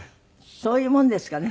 そういうものですかね。